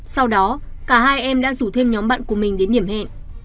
sau đó cả hai em đã rủ thêm nhóm bạn của mình đến điểm hẹn